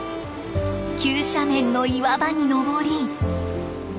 急斜面の岩場に登り。